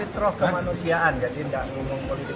ini vitro kemanusiaan jadi enggak ngomong politik